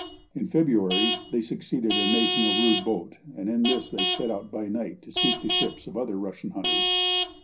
In February they succeeded in making a rude boat, and in this they set out by night to seek the ships of other Russian hunters.